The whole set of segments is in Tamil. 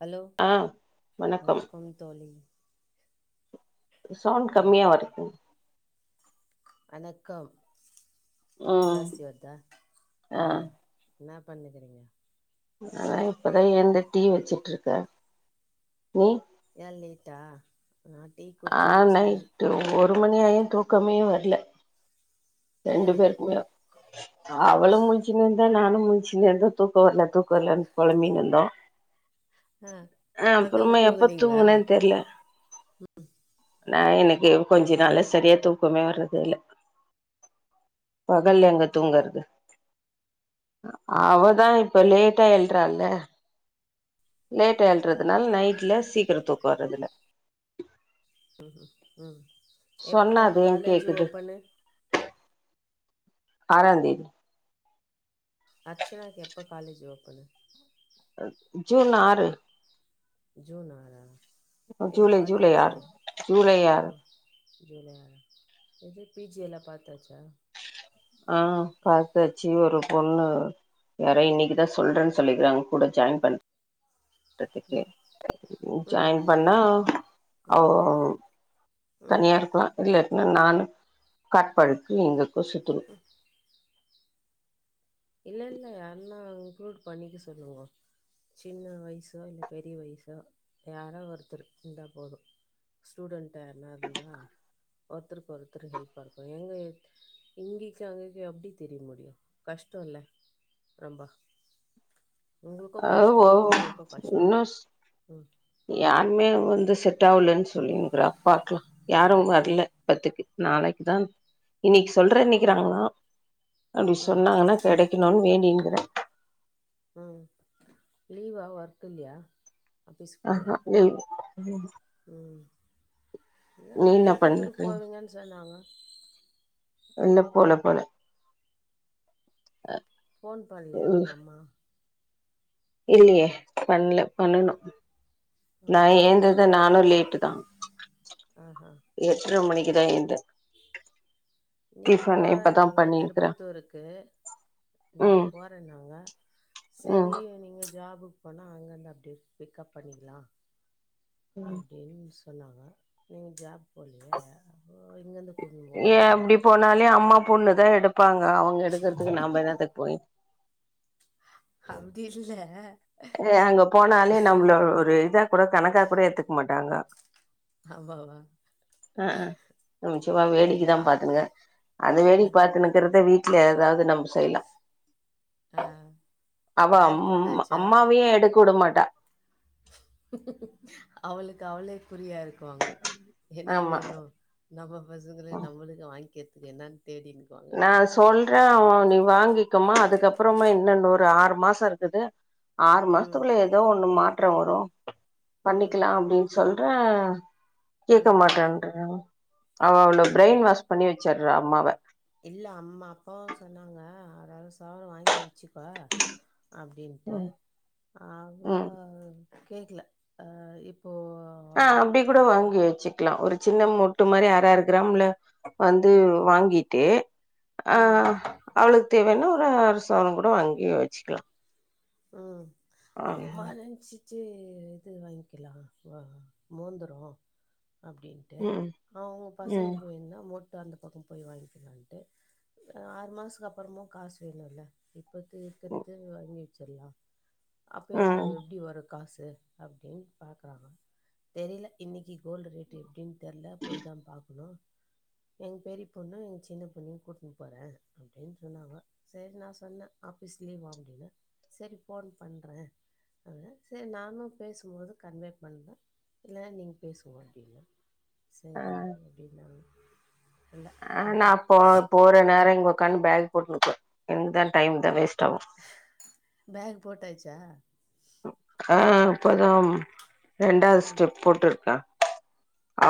ஹலோ ஆ வணக்கம் தோழி சவுண்ட் ஆ கம்மியா வருது வணக்கம் ம் ஜாஸ்தி வருதா ஆ என்னா பண்ணுக்கிறீங்க நா இப்பதா எழ்ந்து டீ வச்சுட்டுருக்கே நீ ஏ லேட்டா நா டீ ஆ குடிச்சாச்சு நைட்டு ஒரு மணியாயு தூக்கமே வர்ல ஏ ரெண்டு பேருக்குமே அவளு முழிச்சுனே இருந்தா நானு முழிச்சுனே இருந்தே தூக்கோ வரல தூக்கோ வரலன்னு பொழம்பினு இருந்தோ அ ஆ பகல்ல அப்புறமா எப்ப தூங்குனீங்ளா தூங்குனேன்னு தெர்ல நா இன்னைக்கு கொஞ்ச நாளா சரியா தூக்கமே வர்றதே இல்ல பகல்ல எங்க தூங்குறது அ அவதா இப்ப லேட்டா எழ்றால லேட்டா எழ்றதுனால நைட்ல சீக்கிரோ தூக்கோ வர்றதுல ம்ஹூ ம் எப்போ சொன்னா அது ஏ காலேஜி கேக்குது ஓப்பனு ஆறாந்தேதி அர்ச்சனாக்கு எப்போ காலேஜ் ஓப்பனு அ ஜுன் ஆறு ஜூன் ஆறா எது ஜூலை ஜூலை பாத்தாச்சா ஆறு ஜூலை ஓ ஆறு வேல எது பி ஜி எலா பாத்தாச்சா ஆ பாத்தாச் சு ஒரு பொண்ணு யாரோ இன்னைக்குதா சொல்றேன் சொல்லிக்கிறாங்க கூட ஜாயின் பண்ற துக்கு ம் ஜாயின் பண்ணா ஓ ம் ம் ம் தனியா இருக்ளா இல்ல நானு காட்பாடிக்கு இங்கக்கு சுத்துரோ இல்ல இல்ல யாருன்னா இன்க்ளூட் பண்ணிக்க சொல்லுங்கோ சின்ன வயசோ இல்ல பெரிய வயசோ யாரோ ஒருத்தர் இருந்தா போது ஸ்டூடண்டா யாருன்னா இருந்தா ஒருத்தருக்கு ஒருத்தரு ஹெல்ப்பா இருக்கு எங்க இங்கைக்கு அங்கைக்கு எப்டி திரிய முடியு கஷ் டோல்ல ரொம்பா உங்களுக்கு அது கஷ்டோ ஓ அவங்களுக்கு கஷ்டோ இன்னு ம் யாருமே வந்து செட் ஆவலன் சொல்லினுகிறா பாக்லா யாரு வர்ல பத்துக்கு நாளைக்கு தா இன்னைக்கு ம் சொல்றேனிக்குறாங்களா அப்டி ம் சொன்னாங்கன்னா கெடக்கணுன் வேண்டின்கிறே ம் லீவா ஒர்க் இல்யா அஹா ஏய் ம் ம் ஏ நீ என்ன திருப்பத்தூருக்கு பண்ணிருக்க போவீங்கன் சொன்னாங்க இன்னு போல போல ஃபோன் பண்லையா அவங்க அம்மா இல்லயே பண்ல பண்ணணு நா ஆ எந்தது நானு லேட்டு தா ஆஹா எட்டர மணிக்குதா எந்தே இன்னைக்கு போறதா இருந்தாங்க திருப்பத்தூருக்கு இன்னைக்கு ம் போற தா இருந்தாங்க ம் சரி நீங்க ஜாபுக்கு போனா அங்கருந்து அப்டியே பிக்கப் பண்ணிக்லா ம் அப்டினு சொன்னாங்க நீங்க ஜாப் போலியே அப்போ இங்கருந்து கூட்டுனு போவாங்கன் நெனக்கிறே னாலே அம்மா பொண்ணு தா எடுப்பாங்க அவங்க எடுக்கறதுக்கு நாம என்னத்துக்கு போயி அப்டி இல்ல ஏ அங்க போனாலே நம்ள ஒரு இதா கூட கணக்கா கூட எடுத்துக்க மாட்டாங்க ஆவ்வா வா அ அ அம் சும்மா இல்ல வேடிக்கதா பாத்துனுங்க அந்த வேடிக் பாத்துனு கிறத வீட்ல ஏதாவ்து நம்பு செய்லா ஆ அவ அம் பேக் மா போட்டாச்சா போயே எடுக் உட மாட்டா அவளுக்கு அவளே குரியா இருக்குவாங்க என்னா ஆமா வேணு நம்ம பசுங்குளே நம்முளுக்கு வாங்கற்துக்கு என்னான் தேடினுக்குவா நா சொல்றே அவு நீ வாங்கிக்கமா அதுக்கப்புறமா இன்னொன் ஒரு ஆறு மாச இருக்குது ஆறு ம் மாஸ்த்துக்குள்ள எதோ ஒன்னு மாற்றோ வரு ம் பண்ணிக்கிலா அப்டின் சொல்ற ம் கேக்க மாட்டேன்றா அவ அவளோ ஏ பிரைன் வாஷ் பண்ணி வக் ச்சற்ற அம்மாவ இல்ல அம் அப்பாவு சொன்னாங்க அரஅர சவர வாங்கி வெச்சுக்வ அப்டின்ட்டு ம் அவ ம் கேக்ல அ இப்போ அ அப்டி கூட வாங்கி வெச்சுக்லா ஒரு சின்ன முட்டு மாரி அர அர கிராம்ல வந்து வந்து ம் வாங்கிட்டு அ ம் அவ்ளுக் தேவேனா ஒரு அர சவர கூட வாங்கி வச்சுக்லா ம் அம்மா நன்ச்சி சே இது வாங்க்கிலா வ மோந்தரோ அப்டின் டு ம் அவுங்க ம் பசங்ளுக்கு வேன்னா மோட் டு அந்த பக்க போய் வாங்கிக்கலான்ட்டு ஆறு மாஸ்த்துக்கு அப்றமும் காஸ் வேணுல்ல இப் அது இர்க்கற்து வாங்கி வச்சிற்லா அப்ப எப்ப ம் எப்டி வரு காசு அப்டின் பாக்குறாங்க தெரில இன்னிக்கி கோல்டு் ரேட் எப்டின் தெர்ல போய் தா பாக்குனு எங் பெரிய் பொண்ணு எங் சின்ன பொண்ணயு கூட்னு போற அப்டின் சொன்னாங்கோ சேரி நா சொன்ன ஆஃபீஸ் லீவா அப்டின்னு சேரி ஃபோன் பண்ற அத செரி நானு பேசும்போது கன்வே பண்ண இல்லனா நீங் பேசுங்கோ அப்டின்னாங்க சரி ஆ அப்டின்னாங்க இல்ல அ நா பாக்கணு போ போற நேர இங் உக்கான்னு பேக்கு போட்டுனுக்கு என்க்கு தா டைம் தா வேஸ்ட் ஆவு ஃபேகு போட்டச்சா அ அ இப்பதா ரெண்டாவ்து ம் ஸ்டெப் போட்ருக்க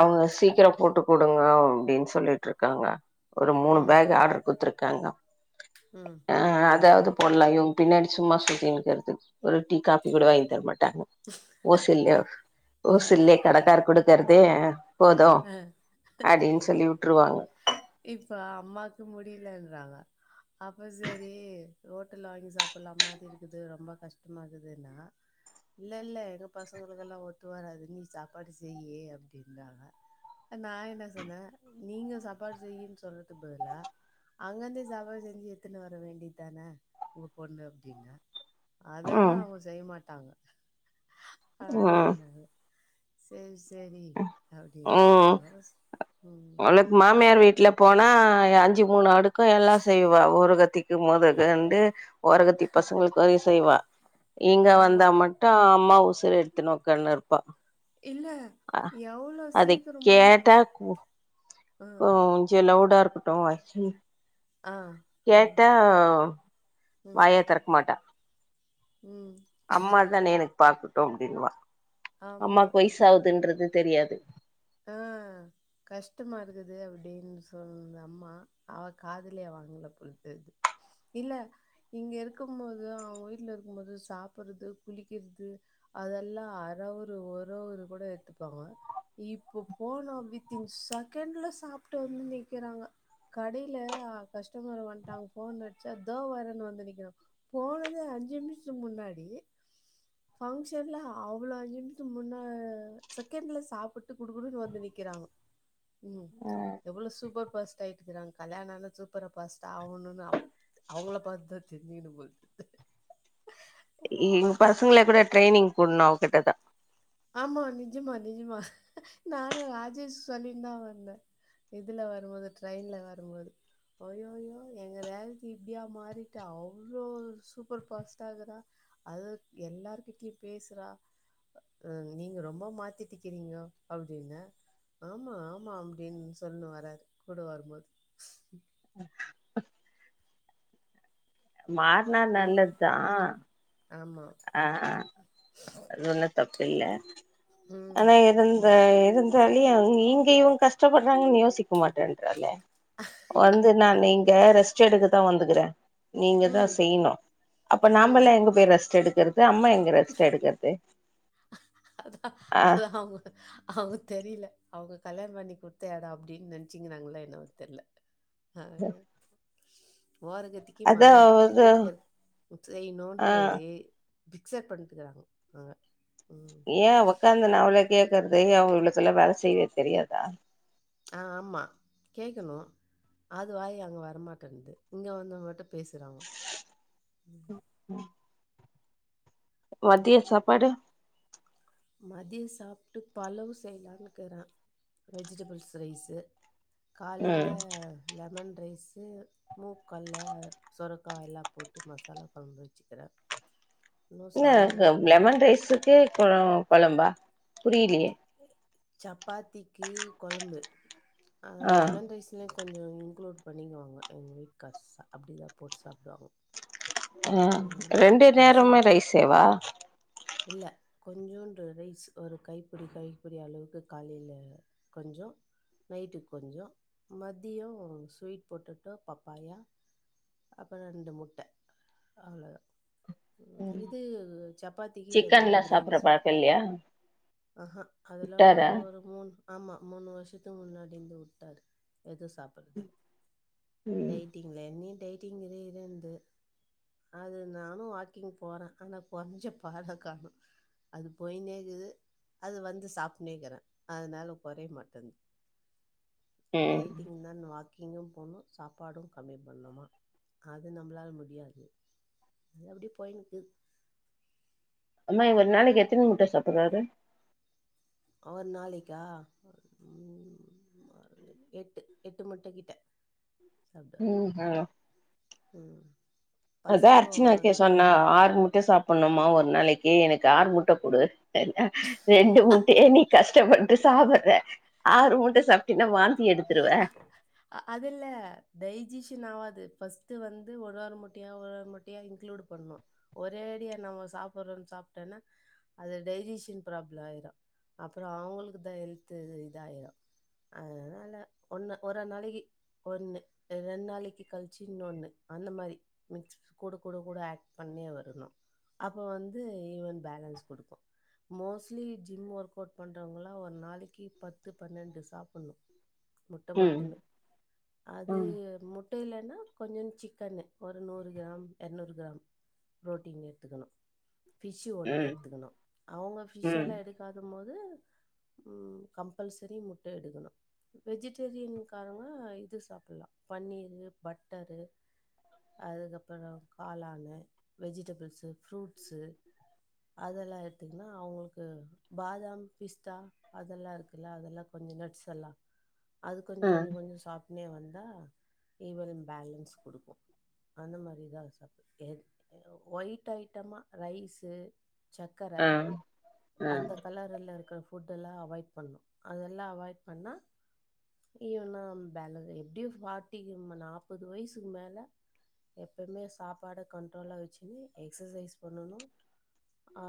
ம் சீக்கர போட்டு குடுங்க அப்டின் சொல்லிட்ருக்காங்க ஒரு மூணு ம் ஃபேக் ஆட்ரு குத்துருக்காங்க ம் அ அதாவ்து ம் போடலா இவுங் பின்னாடி சும்மா சுத்தின் இக்கற்துக் ஒரு டீ காப்பி கூட வாங் தரமாட்டாங்க ஓசில்யோ ஓசில்லே கடக்கார் கூடுத் கற்தே போது ஆ அப்டின் சொல்லி உட்ருவாங்க இப்ப அம்மாக்கு முடிலன்றாங்க அப்ப செரி ரோட்டல்ல வாங்கி சாப்புல்லா மாதி இருக்குது ரொம்ப கஷ்ட்டமாக்குதுன்னா இல்லல்ல எங்க பசங்களுக் எல்லா ஒத்து வராது நீ சாப்பாடு செய்யி அப்டின்றாங்க நா என்ன சொன்ன நீங்க சாப்பாடு செய்யின் சொல்றதுக் பதுலா அங்கந்தே சாப்பாடு செஞ்சி எத்துன்னு வர வேண்டிதான ஒங்க பொண்ணு அப்டின்ன அதல்லா ம் அவ்ங்க செய் மாட்டாங்க ம் அப்டின்ன சேரி சேரி அப்டினா ம் அதோட ம் உனக்கு மாமியார் வீட்ல போனா அஞ்சு மூணு அடுக்க எல்லா செய்வா ஓரகத்தி மொதகண்டு ஓரகத்தி பசங்ளுக் வரயு செய்வா இங்க ஆமா வந்தா மட் ட அம்மா உசுர் எடுத்துனு ஒக்கான்ருப்பா இல்ல அ எவ்வளோ அத சீக்கிரம் முடியுமா? கேட்டா கு ஆ, கொஞ்ச லவ்டா இருக்கு ஆ, ஆ, கேட்டா ம், வாயே திறக்க மாட்டா ம் அம்மா தான எனக்கு பாக்கட்டு அப்டின்வா ஆமா. அம்மாக்கு வய்ஸ் ஆகுதுன்றது தெரியாது ஆ கஷ்டமா இருக்குது அப்டின் சொன் அம்மா அவ காதுலே வாங்கல போல் தெர்து இல்ல இங்க இருக்கும் போது அவுங்க வீட்ல இருக்கும் போது சாப்பறது குளிக்கிறது அதெல்லா அறவுரு ஒரு ஒரு கொடோ எடுத்துப்பாங்க இப்போ போனோ வித்தின் செகண்ட்ல சாப்ட்டு வந்து நிக்கிறாங்க கடைல கஸ்டமர் வந்ட்டாங்க ஃபோன் அடிச்சா இதோ வரேன்னு வந்து நிக்கிறா போனதே அஞ்சி நிமிஷோ முன்னாடி பங்க்ஷன்ல அவ்ளோ [unintelligible] முன்ன செகண்ட்ல சாப்புட்டு குடுகுடுன்னு வந்து நிக்கிறாங் ம் எவ்ளோ சூப்பர் ஃபாஸ்ட் டாய்டு போறாங்கோ கல்யாணோ ஆனா சூப்பரா ஃபாஸ்டா ஆவணுனு அப் அவுங்கள பாத்தா தெரியுனு உங்கள்து எங்க பசங்கள கூட ட்ரைனிங் போட்ணு அவ்ங்கிட்ட தா ஆமா நிஜமா நிஜமா நானு ராஜேஷ் சொல்லின் தா வந்தே இதில வரம்போது ட்ரெயின்ல வரம்போது அய்யய்யோ எங்க ரேவதி இப்டியா மாறிட்டா அவ்ளோ சூப்பர் ஃபாஸ்ட்டா இருக்கறா அது எல்லார்கிட்டயு பேஸ்றா அ நீங்க ரொம்ப மாத்திட்டிக்கிறீங்கோ அப்டின்னு ஆமா ஆமா அப்டின் சொல்லு வராரு கூட வரம்போது மார்னா ம். நல்லத் தா ஆமா அ ஆ அது ஒண்ணு தப்பில்ல ம். ஆனா இது இந்த ம். இது தோழி அவுங்க இங்கயு‌ கஷ்டப்பட்றாங்கன் யோசிக்க மாட்டேன்றாலே வந்து நா நீங்க ரெஸ்ட் எடுக்கத்தா வந்துக்கறே நீங்க தா ம். செய்ணு அப்ப ம். நாமல்லா எங்க போய் ரெஸ்ட் எடுக்கறது அம்மா எங்க ரெஸ்ட் எடுக்கறது அதா ஆ அது அவுங்க அவுங்க தெரியில அவுங்க கல்யாணோ பண்ணி குடுத்த எடோ அப்டின் நெனச்சுங்கறாங்ளா என்னவோ தெர்ல அ ஓரகத்தி க்கி மாமியாருக்கு அதாவது வீட்டுக்கார் ஆ செய்ணுன்ட்டு இ பிக்சர் பண்ட்டுக்கிறாங்கோ அவுங்க ம் ஏ உக்காந்துனு அவள கேக்றது ஏ அவுங்களுக்கெல்லா வேல செய்வே தெரியாதா ஆமா கேக்கணு அது வாயி அங்க வரமாட்டேன்து இங்க வந்து மட்டு பேசுறாங்கோ ம் மத்திய சாப்பாடு மதிய சாப்ட்டு பலவு செய்லான் இருக்கிறே வெஜிடபிள்ஸ் ரைஸு காலைல ம் லெமன் ரைஸு மூக்கல்ல சொரக்கா எல்லா போட்டு மசாலா கொழம்பு வெச்சுக்கறே இல்ல [unintelligible] லெமன் ரைஸுக்கே கொ கொழம்பா புரியிலயே சப்பாத்திக்கி கொழம்பு அ ஆ லெமன் ரைஸ் க்குமே கொஞ்சோ இன்க்ளூட் பண்ணிக்குவாங்க எங்க வீட்கார்ஸ்சா அப்டிதா போட்டு சாப்டுவாங்கோ அ ரெண்டு நேரமுமே பசங்க ரைஸ்ஸேவா இல்ல கொஞ்சோன்டு ரைஸ் ஒரு கைபிடி கைபிடி அளவுக்கு காலைலே கொஞ்சோ நைட்டுக் கொஞ்சோ மதியோ ஸ்வீட் பொட்டொட்டோ பப்பாயா அப்பறோ ரெண்டு முட்டை அவ்ளோத இது சப்பாத்திக்கு எதான சிக்கன்லா சாப்புட்ற கிரேவிஸ் பழக்க இல்லையா ஆஹா அதெல்லா விட்டாரா ஒரு மூணு ஆமா மூணு வருஷத்துக்கு முன்னாடிருந்து உட்டாரு எது சாப்பறதுல ம் டெய்லி டேடிங்ளே எண்ணி டேட்டிங்லேருந்து அது நானு வாக்கிங் போறே ஆனா கொஞ்சோ பாட காண அது போய்னே இகுது அது வந்து சாப்பினேக்கிறே அதனால குறய மாட்டேது டை ம் ட்டிங்னா வாக்கிங்கு போணு சாப்பாடு கம்மி பண்ணணுமா அது நம்மளால முடியாது எப்டி போயனுக்குது அம்மா இவ ஒரு நாளைக்கு எத்தன முட்ட சாப்பிடுறாரு அவர் நாளைக்கா ம் ம் எட்டு எட்டு முட்ட கிட்ட சாப்டு வாரு ம் ஆ ம் அதா பசங்க அர்ச்சனாக்கே சொன்னா ஆறு முட்ட சாப்பிடணுமா ஒரு நாளைக்கு எனக்கு ஆறு முட்ட குடு என்ன ரெண்டு முட்டய நீ கஷ் டப்பட்டு சாப்பிடற ஆறு முட்ட சாப்பிட்டினா வாந்தி எடுத் [unintelligible] அதுல்லே டைஜிஷன் ஆவாது ஃபஸ்ட் வந்து ஒரு ஒரு முட்டையா ஒரு ஒர் முட்டையா இன்குளூட் பண்ணணு ஒரேடியா நம்ம சாப்புட்றோன் சாப்டோன்னா அது டைஜிஷன் ப்ராப்ளோ ஆயிரு அப்பறோ அவங்களுக்கு தா ஹெல்து இதாயிரு அதனால ஒன்ன ஒரு ஒரு நாளக்கி ஒன்னு ரெண்டு நாளைக்கி கழிச்சு இன்னொன்னு அந்த மாரி மிக்ஸ் கூட கூட கூட அக்ட் பண்ணி வரணு அப்போ வந்து ஈவன் பேலன்ஸ் குடுக்கு மோஸ்ட்லி ஜிம் ஒர்க் அவுட் பண்ணுறவங்களா ஒரு நாளைக்கி பத்து, பன்னெண்டு சாப்புடணு முட்ட ம் மட்டுமே அது ம் மு ட்ட இல்லன்னா கொஞ்சோனு சிக்கனு ஒரு நூறு கிராம் இரநூறு கிராம் புரோட்டீன் எடுத்துக்கணு ஃபிஷு ஒன்னு ம் எடுத்துக்கணு அவங்க ஃபிஷ் ம் எல்லா எடுக் காத போது ம் கம்பல்சரி முட்ட எடுக்கணு வெஜிடேரியன்காரங்க இது சாப்பிடலா பன்னீரு பட்டரு அதுக்கப்பறோ காளானு, வெஜிடபுள்ஸு, ஃப்ரூட்ஸு அதெல்லா எடுத்துக்ன்னா அவங்களுக்கு பாதாம், பிஸ்தா அதெல்லாருக்குல்ல அதெல்லா கொஞ்சோ நட்ஸ்செல்லா அது கொஞ்சோ ஆ கொஞ்சோ கொஞ்சோ சாப்னே வந்தா ஈவனன் பேலன்ஸ் கொடுக்கு அந்த மாரிதா சப் ஒயிட் ஐட்டமா ரைஸு சக்கர ஆ ஆ அந்த கலர் லருக்கிற ஃபுட்டெல்லா அவாய்ட் பண்ணணு அதெல்லா அவாய்ட் பண்ணா ஈவனா பேல எப்டியு பார்ட்டிக் நாப்பது வயசுக்கு மேல எப்பயுமே சாப்பாட கண்ட்ரோலா வச்சுக்னு எக்ஸசைஸ் பண்ணனு ஆ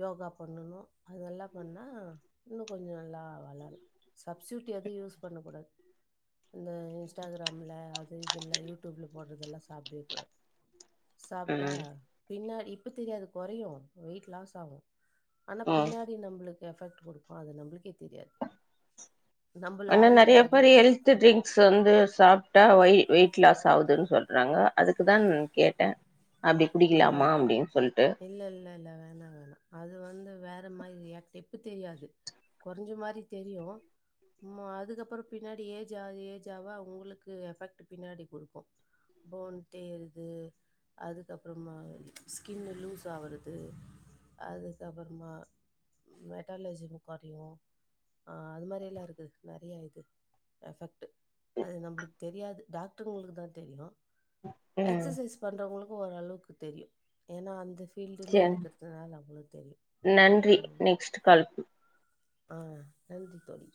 யோகா பண்ணணு அதெல்லா பண்ணா இன்னு கொஞ்சோ நல்லா வலால் சப்சூட் எதுவு யூஸ் பண்ணக்கூடாது இந்த இன்ஸ்டாகிராம்ல அது இதெல்லா யூடூப்ல போடுறதெல்ல சாப்டவே கூடாது சாப்ட்டா ம் பின்னாடி இப்ப தெரியாது கொறையு வெயிட் லாஸ் ஆகு ஆனா ம் பின்னாடி நம்ப்ளுக்கு எஃபெக்ட் குடுக்கு அது நம்ப்ளுக்கே தெரியாது நம்பள ஆனா ஆயில நிறைய அதே பேரு ஹெல் த்து ட்ரிங்க்ஸ் வந்து சாப்ட்டா வய் வெயிட்லாஸ் ஆகுதுன் சொல்றாங்க அதுக்கு தா நா கேட்டே அப்டி ஆ குடிக்கலாமா அப்டின்னு சொல்ட்டு இல்ல இல்ல இல்ல வேனா வேனா அது வந்து வேற மாரி ரியாக்ட் இப்ப தெரியாது கொறஞ்ச மாரி தெரியு ம்மா அதுக்கப்பறோ பின்னாடி ஏஜ் ஆக ஏஜ் ஆவ உங்ளுக்கு எஃபெக்ட் பின்னாடி குடுக்கு போன்டேருது அது க்கப்றமா ஸ்கின்னு லூஸ் ஆவுறது அதுக்கப்பறமா மெட்டாலஜி முக்காரியு அ அது மாரி எல்லா இருக்கு நெறையா இர்க்கு எஃபெக்ட்டு அது நம்ப்ளுக்கு தெரியாது டாக்ருங்களுக்கு தா தெரியு ம் எக்ஸசைஸ் பண்றவங்களுக்கு ஓரளவுக்கு தெரியு ஏன்னா அந்த ஃபீல்டுலயே சேரி இருக்கிறதுனால நம்ளுக்கு தெரியு நன்றி ம் நெக்ஸ்ட் கால் ஆ நன்றி தோழி